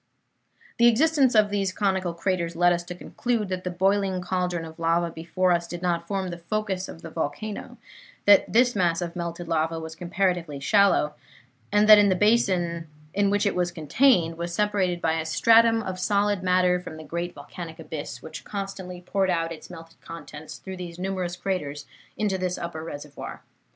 "The existence of these conical craters led us to conclude that the boiling cauldron of lava before us did not form the focus of the volcano; that this mass of melted lava was comparatively shallow, and that the basin in which it was contained was separated by a stratum of solid matter from the great volcanic abyss, which constantly poured out its melted contents through these numerous craters into this upper reservoir.